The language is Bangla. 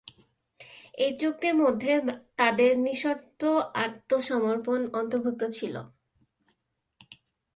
এই চুক্তির মধ্যে তাদের নিঃশর্ত আত্মসমর্পণ অন্তর্ভুক্ত ছিল।